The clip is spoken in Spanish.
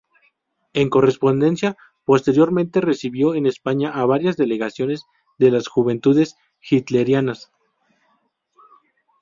En correspondencia, posteriormente recibió en España a varias delegaciones de las Juventudes Hitlerianas.